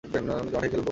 আমি মাঠেই খেলবো।